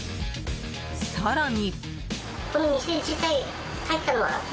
更に。